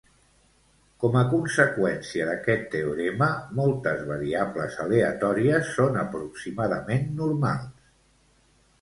Com a conseqüència d'aquest teorema, moltes variables aleatòries són aproximadament normals